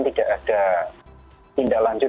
tidak ada tindak lanjut